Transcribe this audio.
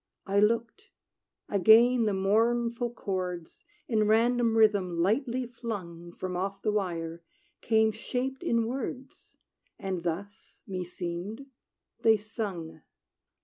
I looked; again the mournful, chords, In random rhythm lightly flung From off the wire, came shaped in words; And thus, meseemed, they sung.